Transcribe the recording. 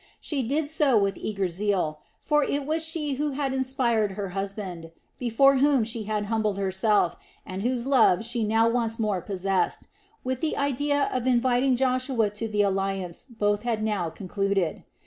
She did so with eager zeal; for it was she who had inspired her husband, before whom she had humbled herself, and whose love she now once more possessed, with the idea of inviting Joshua to the alliance both had now concluded.